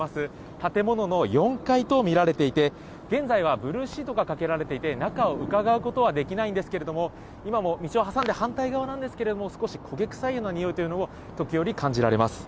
建物の４階と見られていて、現在はブルーシートがかけられていて、中をうかがうことはできないんですが、今も道を挟んで反対側なんですけれども、少し焦げ臭いようなにおいというのも時折感じられます。